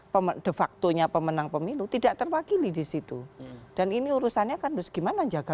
pemenuh faktonya pemenang pemilu tidak terwakili disitu dan ini urusannya kanus gimana jaga